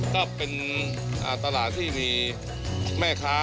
ก็เป็นตลาดที่มีแม่ค้า